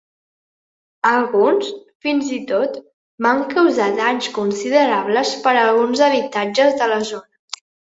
Alguns, fins i tot, van causar danys considerables per alguns habitatges de la zona.